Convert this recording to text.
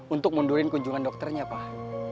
untuk mundurin kunjungan dokternya pak